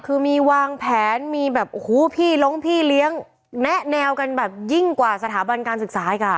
คือมีวางแผนมีแบบโอ้โหพี่ลงพี่เลี้ยงแนะแนวกันแบบยิ่งกว่าสถาบันการศึกษาอีกอ่ะ